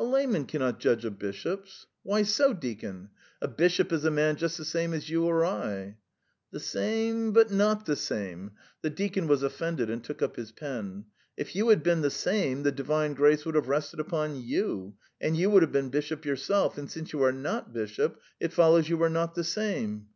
"A layman cannot judge of bishops." "Why so, deacon? A bishop is a man just the same as you or I." "The same, but not the same." The deacon was offended and took up his pen. "If you had been the same, the Divine Grace would have rested upon you, and you would have been bishop yourself; and since you are not bishop, it follows you are not the same."